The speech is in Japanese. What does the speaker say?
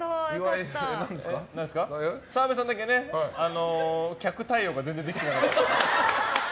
澤部さんだけね、客対応が全然できてなかった。